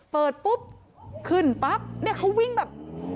เปิดปุ๊บขึ้นปั๊บเนี่ยเขาวิ่งแบบ